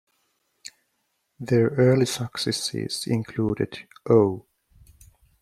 Their early successes included Oh!